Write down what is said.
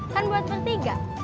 kan buat bertiga